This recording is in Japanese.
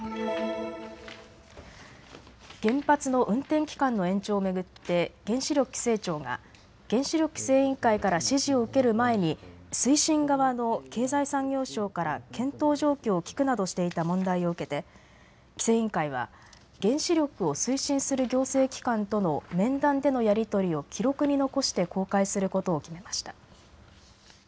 原発の運転期間の延長を巡って原子力規制庁が原子力規制委員会から指示を受ける前に推進側の経済産業省から検討状況を聞くなどしていた問題を受けて規制委員会は原子力を推進する行政機関との面談でのやり取りを記録に残して公開することを決めました。